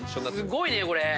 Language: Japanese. すごいねこれ！